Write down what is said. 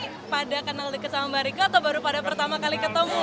ini pada kenal deket sama mbak rika atau baru pada pertama kali ketemu